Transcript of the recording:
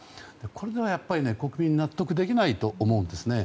これはやっぱり国民納得できないと思うんです。